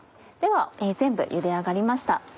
では全部ゆで上がりました。